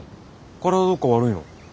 体どっか悪いの？